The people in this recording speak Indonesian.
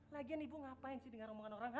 lagian ibu ngapain sih dengan omongan orang